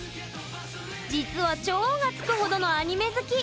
実は、超がつく程のアニメ好き！